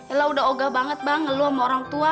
ella udah ogah banget bang ngeluam sama orang tua